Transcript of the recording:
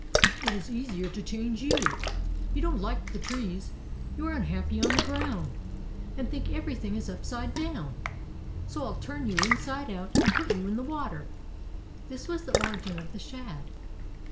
It is easier to change you. You don't like the trees, you are unhappy on the ground, and think everything is upside down, so I'll turn you inside out and put you in the water." This was the origin of the Shad.